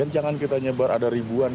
jangan kita nyebar ada ribuan